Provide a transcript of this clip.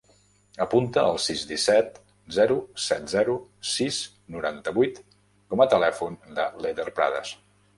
Apunta el sis, disset, zero, set, zero, sis, noranta-vuit com a telèfon de l'Eder Pradas.